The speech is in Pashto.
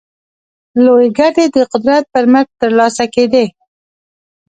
لویې ګټې د قدرت پر مټ ترلاسه کېدې.